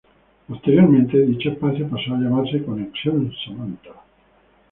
Posteriormente, dicho espacio pasó a llamarse "Conexión Samanta".